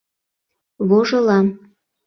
Вожылам.